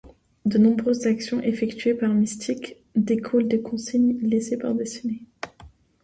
De nombreuses actions effectuées par Mystique découlent de consignes laissées par Destinée.